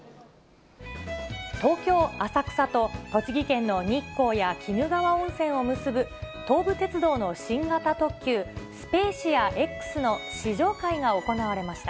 東京・浅草と栃木県の日光や鬼怒川温泉を結ぶ、東武鉄道の新型特急、スペーシアＸの試乗会が行われました。